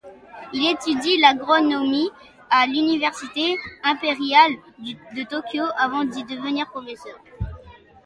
Il étudie l'agronomie à l'université impériale de Tokyo avant d'y devenir professeur.